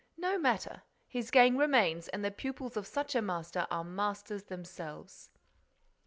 "No matter. His gang remains and the pupils of such a master are masters themselves."